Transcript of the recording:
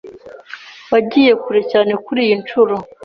Wagiye kure cyane kuriyi nshuro.